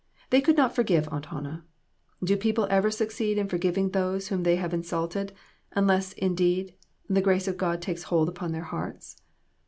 They could not forgive Aunt Hannah ; do people ever succeed in forgiving those whom they have insul ted, unless, indeed, the grace of God takes hold upon their hearts